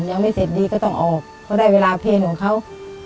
ยังไม่เสร็จดีก็ต้องออกเพราะได้เวลาเพลงของเขา